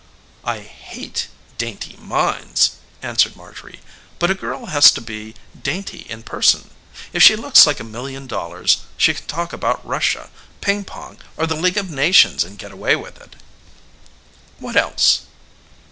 "I hate dainty minds," answered Marjorie. "But a girl has to be dainty in person. If she looks like a million dollars she can talk about Russia, ping pong, or the League of Nations and get away with it." "What else?"